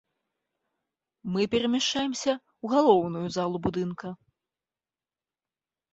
Мы перамяшчаемся ў галоўную залу будынка.